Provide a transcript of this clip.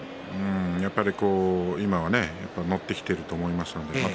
やっぱり今は乗ってきていると思いますのでまた